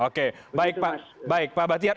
oke baik pak bastiak